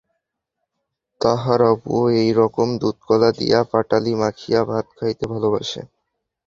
তাহার অপুও ওই-রকম দুধ কলা দিয়া পাটালি মাখিয়া ভাত খাইতে ভালোবাসে!